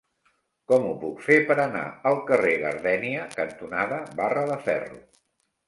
Com ho puc fer per anar al carrer Gardènia cantonada Barra de Ferro?